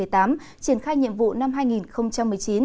triển khai nhiệm vụ năm hai nghìn một mươi chín